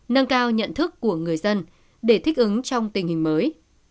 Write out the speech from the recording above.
nâng cao nhận thức của người dân để thích ứng trong tình hình mới